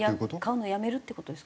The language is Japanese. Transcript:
買うのやめるって事ですか？